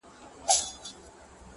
كلي كي ملا سومه .چي ستا سومه.